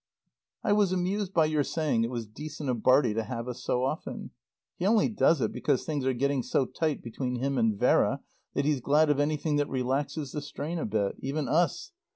I was amused by your saying it was decent of Bartie to have us so often. He only does it because things are getting so tight between him and Vera that he's glad of anything that relaxes the strain a bit. Even us.